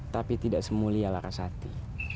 tapi tidak semulia larasati